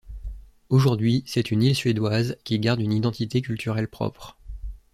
Aujourd'hui, c'est une île suédoise qui garde une identité culturelle propre.